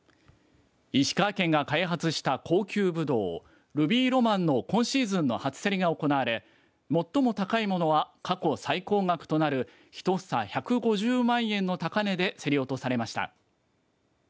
石川県が開発した高級ぶどうルビーロマンの今シーズンの初競りが行われ最も高いものは過去最高額となる１房１５０万円の高値で競り落とされました。